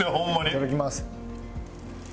いただきます。